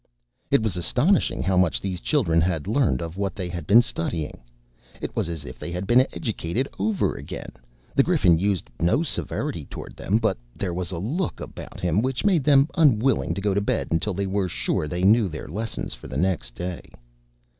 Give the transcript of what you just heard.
It was astonishing how much these children now learned of what they had been studying. It was as if they had been educated over again. The Griffin used no severity toward them, but there was a look about him which made them unwilling to go to bed until they were sure they knew their lessons for the next day.